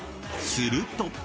すると］